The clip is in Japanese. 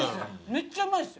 めっちゃうまいっす。